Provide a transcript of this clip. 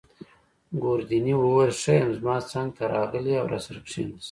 ګوردیني وویل: ښه یم. زما څنګته راغلی او راسره کښېناست.